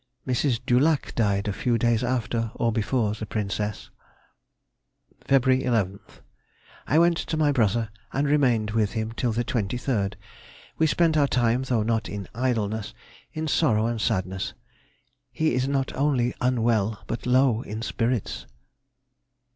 Mrs. De Luc died a few days after or before the Princess. Feb. 11th.—I went to my brother, and remained with him till the 23rd. We spent our time, though not in idleness, in sorrow and sadness. He is not only unwell but low in spirits.